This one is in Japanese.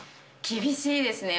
厳しいですね。